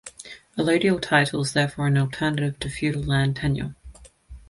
Allodial title is therefore an alternative to feudal land tenure.